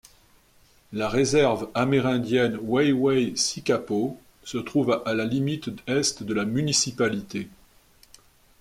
La réserve amérindienne Waywayseecappo se trouve à la limite est de la municipalité.